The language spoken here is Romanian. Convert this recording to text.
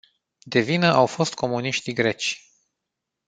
De vină au fost comuniștii greci.